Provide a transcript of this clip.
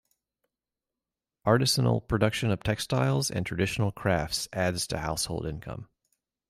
Artisanal production of textiles and traditional crafts adds to household income.